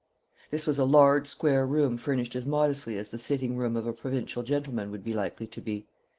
This was a large square room furnished as modestly as the sitting room of a provincial gentleman would be likely to be.